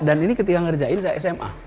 ini ketika ngerjain saya sma